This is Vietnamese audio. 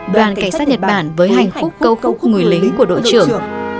đoàn cảnh sát nhật bản với hành khúc câu cú người lính của đội trưởng